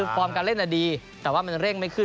ฟอร์มการเล่นดีแต่ว่ามันเร่งไม่ขึ้น